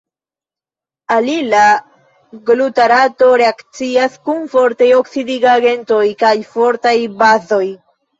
Alila glutarato reakcias kun fortaj oksidigagentoj kaj fortaj bazoj.